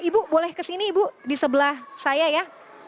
ibu boleh kesini ibu di sebelah saya ya